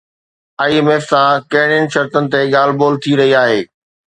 I M F سان ڪهڙين شرطن تي ڳالهه ٻولهه ٿي رهي آهي؟